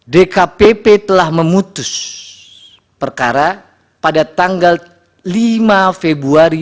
dkpp telah memutus perkara pada tanggal lima februari